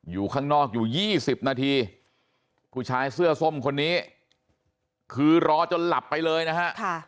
อยู่ข้างนอกอยู่๒๐นาทีผู้ชายเสื้อส้มคนนี้คือรอจนหลับไปเลยนะฮะ